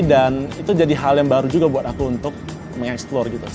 dan itu jadi hal yang baru juga buat aku untuk mengeksplore gitu